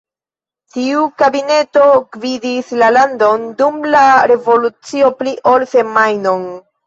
Tiu kabineto gvidis la landon dum la revolucio pli ol semajnon.